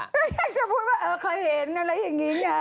ก็อยากจะพูดว่าเออเคยเห็นอะไรอย่างนี้นะ